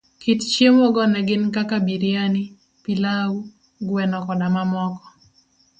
Kit chiemo go ne gin kaka biriani, pilau, gweno koda mamoko.